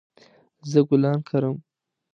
زه ګلان کرم